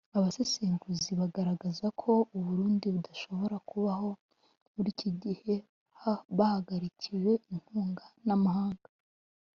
Abasesenguzi bagaragazako u Burundi budashabora kubaho muriki gihe bahagarikiwe inkunga n’amahanga